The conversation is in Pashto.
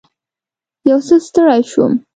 یو څه ستړې شوم.